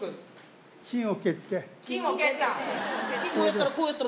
金を蹴った。